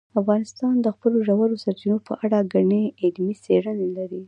افغانستان د خپلو ژورو سرچینو په اړه ګڼې علمي څېړنې لري.